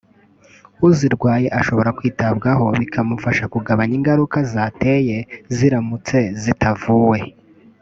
uzirwaye ashobora kwitabwaho bikamufasha kugabanya ingaruka zagateye ziramutse zitavuwe